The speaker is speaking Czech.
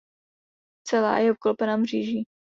Celá je obklopena mříží.